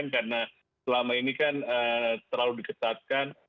karena selama ini kan terlalu diketatkan